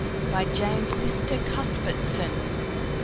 By James Lister Cuthbertson 39